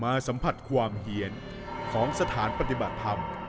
สัมผัสความเหียนของสถานปฏิบัติธรรม